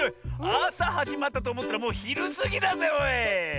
あさはじまったとおもったらもうひるすぎだぜおい！